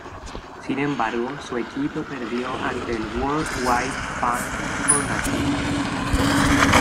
Sin embargo, su equipo perdió ante el World Wide Fund for Nature.